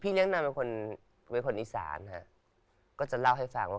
เลี้ยงนางเป็นคนเป็นคนอีสานฮะก็จะเล่าให้ฟังว่า